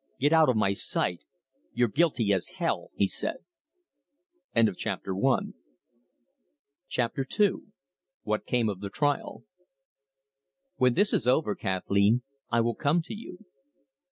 "Get out of my sight! You're as guilty as hell!" he said. CHAPTER II. WHAT CAME OF THE TRIAL "When this is over, Kathleen, I will come to you."